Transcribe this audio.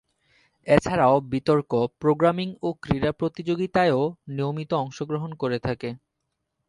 এছাড়াও বিতর্ক, প্রোগ্রামিং ও ক্রীড়া প্রতিযোগিতায়ও নিয়মিত অংশগ্রহণ করে থাকে।